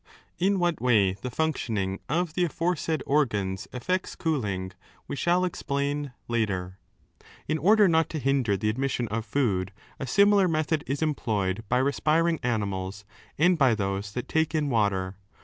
In what way the functioning of the aforesaid organs effects cooling, we shall explain 3 later. In order not to hinder the admission of food, a similar method is employed by respiring animals and by those that take in water.